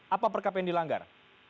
apa perkab yang dilanggar